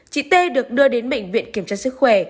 chị t được đưa đến bệnh viện kiểm tra sức khỏe